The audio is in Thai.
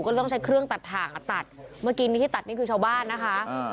ก็ต้องใช้เครื่องตัดถ่างอ่ะตัดเมื่อกี้นี้ที่ตัดนี่คือชาวบ้านนะคะ